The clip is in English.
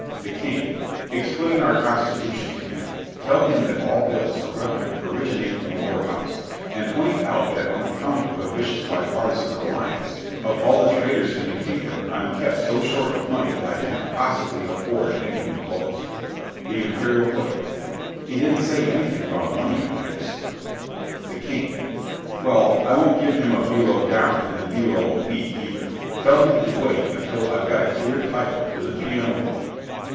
THE KING Explain our constitution to him. Tell him that all bills for revenue originate in the lower House, and point out that on account of a vicious bipartisan alliance of all the traitors in the kingdom I'm kept so short of money that I can't possibly afford any new clothes. THE IMPERIAL FOOTMAN He didn't say anything about money, your majesty. THE KING Well, I won't give him a bealo down and a bealo a week either. Tell him to wait until I've got a clear title to the pianola.